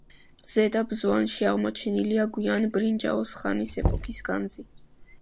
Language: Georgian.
ზედა ბზვანში აღმოჩენილია გვიან ბრინჯაოს ხანის ეპოქის განძი.